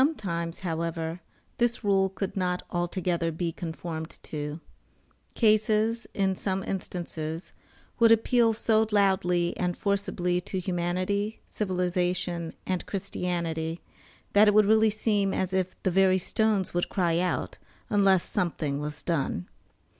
Sometimes, however, this rule could not altogether be conformed to. Cases, in some instances, would appeal so loudly and forcibly to humanity, civilization, and Christianity, that it would really seem as if the very stones would cry out, unless something was done.